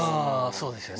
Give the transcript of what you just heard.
そうですよね。